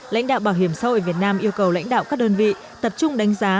lãnh đạo bảo hiểm xã hội việt nam yêu cầu lãnh đạo các đơn vị tập trung đánh giá